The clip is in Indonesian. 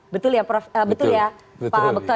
betul ya pak bekto